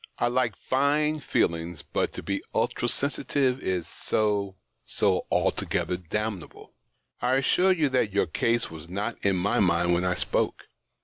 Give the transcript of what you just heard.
I like fine feelings, but to be ultra sensitive is so— so altogether damnable. I assure you tliat your case was not in my mind when I spoke.